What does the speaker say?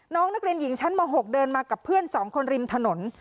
น้องนักเรียนหญิงชั้นม๖เดินมากับเพื่อน๒คนริมถนน